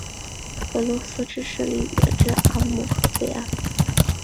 俄罗斯之势力远至阿姆河北岸。